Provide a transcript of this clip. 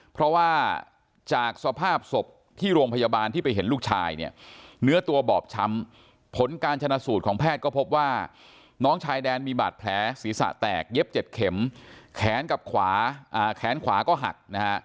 เพราะว่าจากสภาพศพที่โรงพยาบาลที่ไปเห็นลูกชายเนี่ยเนื้อตัวบอบช้ำผลการชนะสูตรของแพทย์ก็พบว่าน้องชายแดนมีบาดแผลศีรษะแตกเย็บ๗เข็มแขนกับขวาแขนขวาก็หักนะฮะ